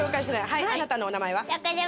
はいあなたのお名前は？